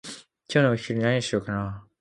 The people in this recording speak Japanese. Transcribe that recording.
今日のお昼何にしようかなー？